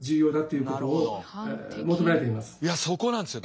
いやそこなんですよ。